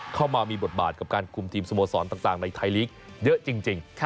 เข้ามามีบทบาทกับการคุมทีมสโมสรต่างในไทยลีกเยอะจริง